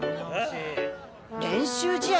練習試合